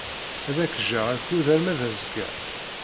Ad ak-jjeɣ akud arma d azekka.